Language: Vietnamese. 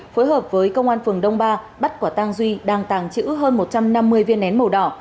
phối hợp với công an phường đông ba bắt quả tang duy đang tàng trữ hơn một trăm năm mươi viên nén màu đỏ